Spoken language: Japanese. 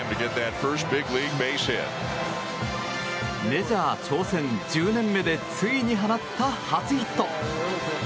メジャー挑戦１０年目でついに放った初ヒット。